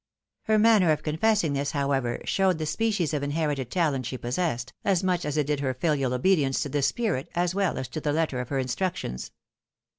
Her manner of confessing this, however, showed the 198 THE WIDOW MARRIED. species of inherited talent she possessed, as much as it did her filial obedience to the spirit as well as to the letter of her instructions.